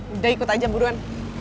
udah ikut aja buruan